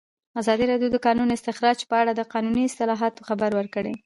ازادي راډیو د د کانونو استخراج په اړه د قانوني اصلاحاتو خبر ورکړی.